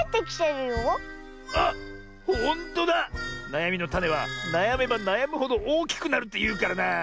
なやみのタネはなやめばなやむほどおおきくなるっていうからなあ。